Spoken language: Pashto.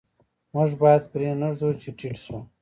موږ باید پرې نه ږدو چې ټیټ شو.